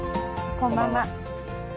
こんばんは。